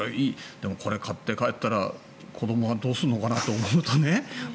でも、これ買って帰ったら子どもはどう思うのかなとか思ったりね。